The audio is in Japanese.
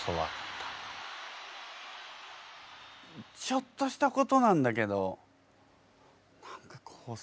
ちょっとしたことなんだけど何かこう触ったりとかの。